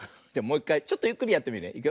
じゃもういっかいちょっとゆっくりやってみるね。